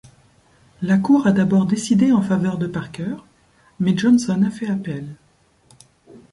La cour a d'abord décidé en faveur de Parker, mais Johnson a fait appel.